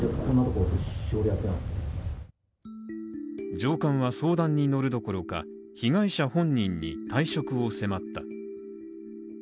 上官は相談に乗るどころか被害者本人に退職を迫った。